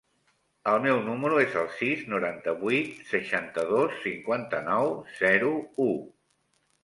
El meu número es el sis, noranta-vuit, seixanta-dos, cinquanta-nou, zero, u.